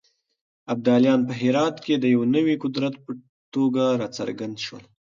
ابدالیان په هرات کې د يو نوي قدرت په توګه راڅرګند شول.